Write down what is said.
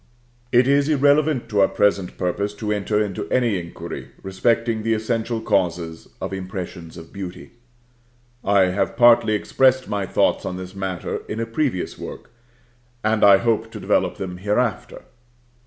It is irrelevant to our present purpose to enter into any inquiry respecting the essential causes of impressions of beauty. I have partly expressed my thoughts on this matter in a previous work, and I hope to develope them hereafter.